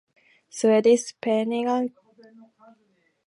Swedish peasants stick a leafy branch in each furrow of their cornfields.